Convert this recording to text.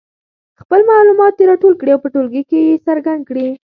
خپل معلومات دې راټول کړي او په ټولګي کې یې څرګند کړي.